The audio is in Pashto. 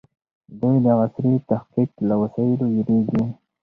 دوی د عصري تحقيق له وسایلو وېرېږي.